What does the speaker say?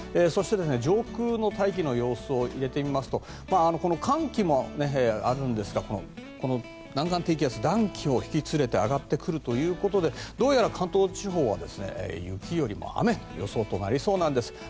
そして上空の大気の様子を入れてみますと寒気もあるんですが南岸低気圧が暖気を引き連れて上がってくるということでどうやら関東地方は雪よりも雨の予想となりそうなんです。